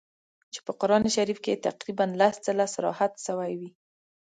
چي په قرآن شریف کي یې تقریباً لس ځله صراحت سوی وي.